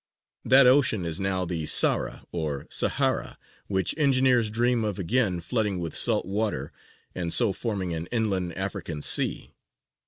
That ocean is now the Sahra or Sáhara, which engineers dream of again flooding with salt water, and so forming an inland African sea.